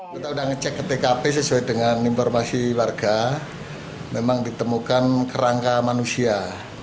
kita sudah ngecek ke tkp sesuai dengan informasi warga memang ditemukan kerangka manusia